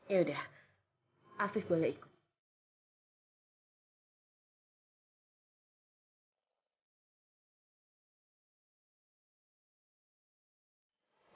ya udah afif boleh ikut